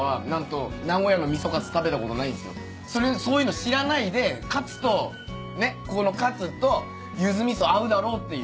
そういうの知らないでこのカツとゆず味噌合うだろうっていう。